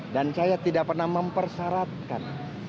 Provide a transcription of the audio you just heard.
dan saya tidak pernah mempersyaratkan